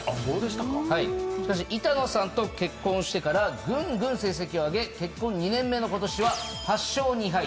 しかし板野さんと結婚してからぐんぐん成績を上げ結婚２年目のことしは８勝２敗。